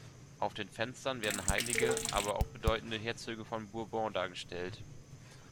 Auf den Fenstern werden Heilige, aber auch bedeutende Herzöge von Bourbon dargestellt.